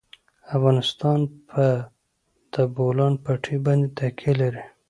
افغانستان په د بولان پټي باندې تکیه لري.